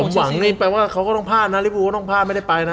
หวังนี่แปลว่าเขาก็ต้องพลาดนะลิฟูก็ต้องพลาดไม่ได้ไปนะ